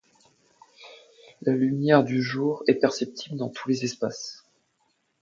La lumière du jour est perceptible dans tous les espaces.